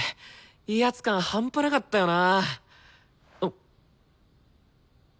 威圧感半端なかったよな。